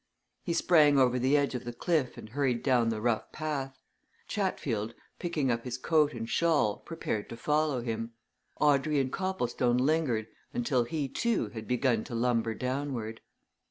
He sprang over the edge of the cliff and hurried down the rough path; Chatfield, picking up his coat and shawl, prepared to follow him; Audrey and Copplestone lingered until he, too, had begun to lumber downward.